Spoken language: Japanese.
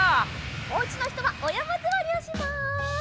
おうちのひとはおやまずわりをします。